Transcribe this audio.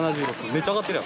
めっちゃ上がってる。